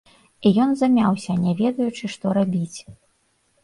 І ён замяўся, не ведаючы, што рабіць.